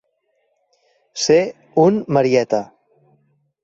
Ser un marieta.